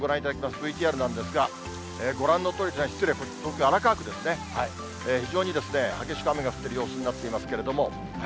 ＶＴＲなんですが、ご覧のとおり、失礼、東京・荒川区ですね、非常に激しく雨が降っている様子になっていますけれども。